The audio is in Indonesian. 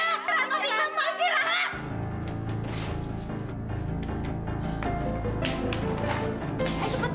mpok masih rahat